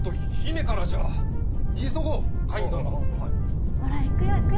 ほら行くよ行くよ。